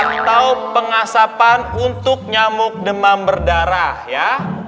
atau pengasapan untuk nyamuk demam berdarah ya